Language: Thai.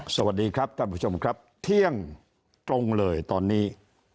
สวัสดีครับท่านผู้ชมครับเที่ยงตรงเลยตอนนี้